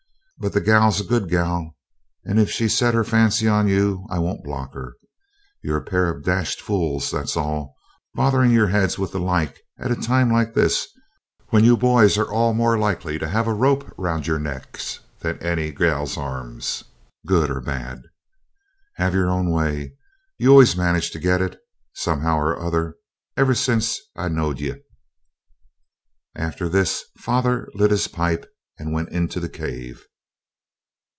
But the gal's a good gal, and if she's set her fancy on you I won't block her. You're a pair of dashed fools, that's all, botherin' your heads with the like at a time like this, when you boys are all more likely to have a rope round your necks than any gal's arms, good or bad. Have your own way. You always managed to get it, somehow or other, ever since I knowed ye.' After this father lit his pipe and went into the cave.